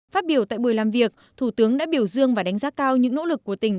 phát biểu tại buổi làm việc thủ tướng đã biểu dương và đánh giá cao những nỗ lực của tỉnh